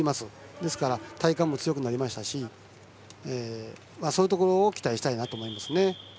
ですから体幹も強くなりましたしそういうところを期待したいなと思います。